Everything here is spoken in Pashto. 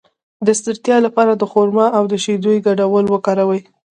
د ستړیا لپاره د خرما او شیدو ګډول وکاروئ